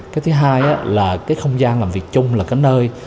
cái thứ hai là cái không gian làm việc chung là cái nơi